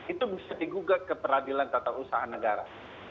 itu bisa digugat ke peradilan tata usaha negara